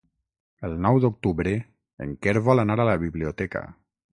El nou d'octubre en Quer vol anar a la biblioteca.